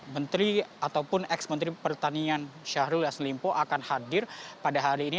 menteri ataupun ex menteri pertanian syahrul yassin limpo akan hadir pada hari ini